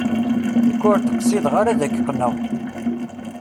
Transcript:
Nekk ur d-qqsideɣ ara ad ak-qqneɣ.